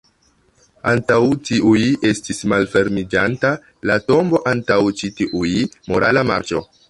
Antaŭ tiuj estis malfermiĝanta la tombo, antaŭ ĉi tiuj -- morala marĉo.